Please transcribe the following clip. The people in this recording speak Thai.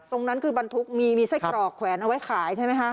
ตรงนั้นคือบรรทุกมีมีไส้กรอกแขวนเอาไว้ขายใช่ไหมคะ